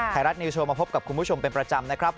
ไทยรัฐนิวโชว์มาพบกับคุณผู้ชมเป็นประจำนะครับ